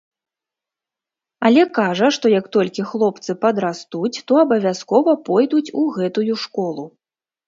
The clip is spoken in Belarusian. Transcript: Але кажа, што, як толькі хлопцы падрастуць, то абавязкова пойдуць у гэтую школу.